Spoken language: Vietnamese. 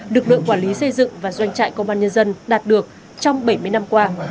lực lượng quản lý xây dựng và doanh trại công an nhân dân đạt được trong bảy mươi năm qua